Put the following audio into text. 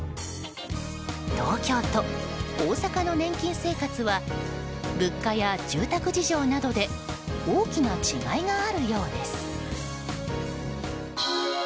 東京と大阪の年金生活は物価や住宅事情などで大きな違いがあるようです。